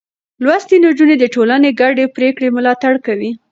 لوستې نجونې د ټولنې ګډې پرېکړې ملاتړ کوي.